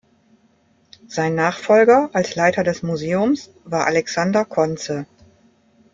Sein Nachfolger als Leiter des Museums war Alexander Conze.